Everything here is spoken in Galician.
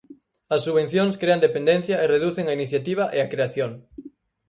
As subvencións crean dependencia e reducen a iniciativa e a creación.